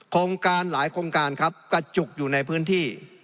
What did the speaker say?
โครงการหลายโครงการครับกระจุกอยู่ในพื้นที่